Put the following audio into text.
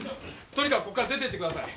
とにかくここから出てってください。